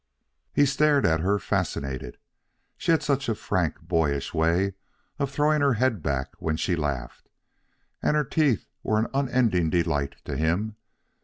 He stared at her fascinated. She had such a frank, boyish way of throwing her head back when she laughed. And her teeth were an unending delight to him.